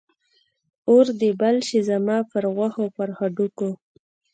اور دې بل شي زما پر غوښو، پر هډوکو